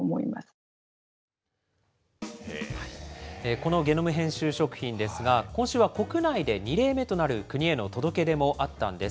このゲノム編集食品ですが、今週は国内で２例目となる、国への届け出もあったんです。